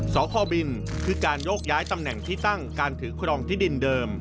สพบินคือการโยกย้ายตำแหน่งที่ตั้งการถือครองที่ดินเดิม